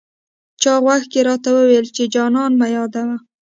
چا غوږ کي راته وويل، چي جانان مه يادوه